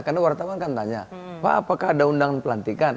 karena wartawan kan tanya pak apakah ada undangan pelatihan